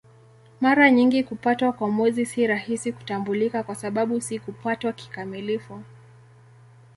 Mara nyingi kupatwa kwa Mwezi si rahisi kutambulika kwa sababu si kupatwa kikamilifu.